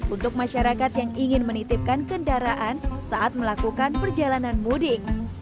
untuk masyarakat yang ingin menitipkan kendaraan saat melakukan perjalanan mudik